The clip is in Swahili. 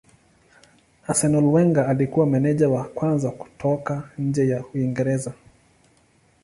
Arsenal Wenger alikuwa meneja wa kwanza kutoka nje ya Uingereza.